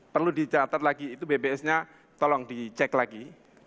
perlu dicatat lagi itu bbs nya tolong dicek lagi